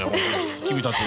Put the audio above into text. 君たちは！